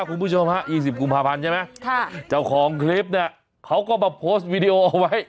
คุณผู้ชมฮะ๒๐กุมภาพันธ์ใช่ไหมเจ้าของคลิปเนี่ยเขาก็มาโพสต์วิดีโอเอาไว้